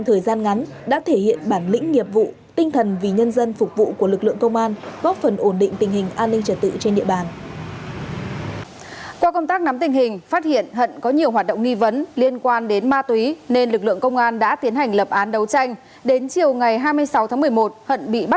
thời gian thì bất minh nên công an phường tiến hành kiểm tra cư trú và phát hiện tại nhà của đối tượng hình nhanh